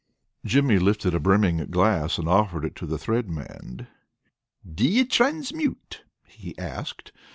Jimmy lifted a brimming glass, and offered it to the Thread Man. "Do you transmute?" he asked.